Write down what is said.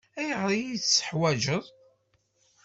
Ayɣer ay t-teḥwajeḍ?